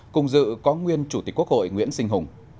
cùng dự có nguyên chủ tịch quốc hội nguyễn sinh hùng